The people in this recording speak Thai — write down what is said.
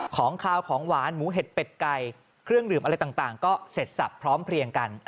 ของขาวของหวานหมูเห็ดเป็ดไก่เครื่องดื่มอะไรต่างก็เสร็จสับพร้อมเพลียงกัน